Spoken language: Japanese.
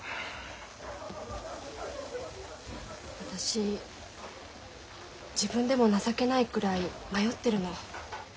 私自分でも情けないくらい迷ってるの。